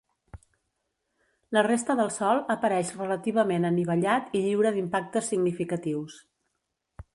La resta del sòl apareix relativament anivellat i lliure d'impactes significatius.